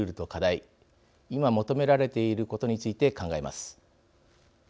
今求められていることについて考えます。